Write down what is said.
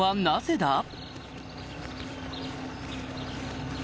なぜだ？